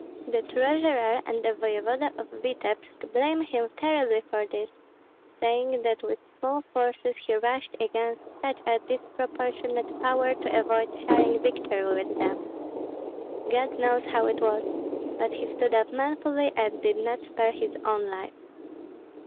The treasurer and the voevoda of Vityebsk blame him terribly for this, saying that with small forces he rushed against such a disproportionate power to avoid sharing victory with them. God knows how it was! But he stood up manfully and did not spare his own life.